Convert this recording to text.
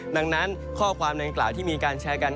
ดังนั้นข้อความดังกล่าวที่มีการแชร์กัน